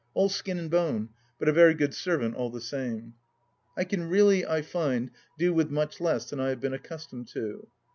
All skin and bone, but a very good servant all the same. I can really, I find, do with much less than I have been accustomed to.